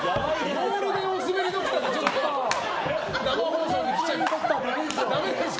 ゴールデンおスベりドクターが生放送に来ちゃいました。